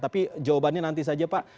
tapi jawabannya nanti saja pak